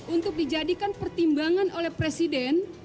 untuk dijadikan pertimbangan oleh presiden